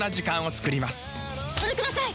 それください！